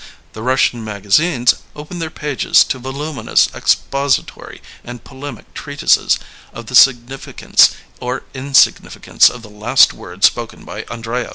The Bussian magazines open their pages to volumi nous expository and polemic treatises of the signifi cance or insignificance of the last word spoken by Andreyev.